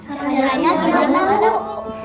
jangan lupa bu